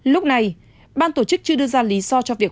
lúc này ban tổ chức chưa đưa ra lý do cho việc hoàn thành